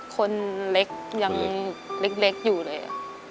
คนเล็กยังเล็กอยู่เลย